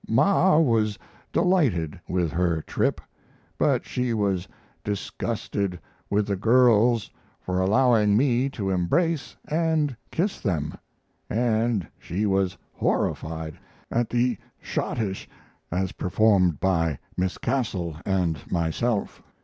Ma was delighted with her trip, but she was disgusted with the girls for allowing me to embrace and kiss them and she was horrified at the 'schottische' as performed by Miss Castle and myself.